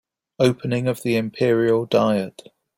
Opening of the Imperial diet